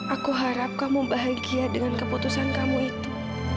aku harap kamu bahagia dengan keputusan kamu itu